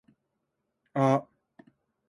書くことない